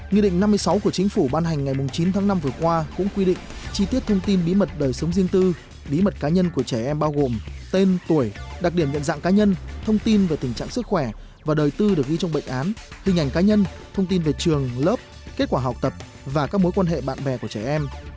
nghị định năm mươi sáu của chính phủ ban hành ngày chín tháng năm vừa qua cũng quy định chi tiết thông tin bí mật đời sống riêng tư bí mật cá nhân của trẻ em bao gồm tên tuổi đặc điểm nhận dạng cá nhân thông tin về tình trạng sức khỏe và đời tư được ghi trong bệnh án hình ảnh cá nhân thông tin về trường lớp kết quả học tập và các mối quan hệ bạn bè của trẻ em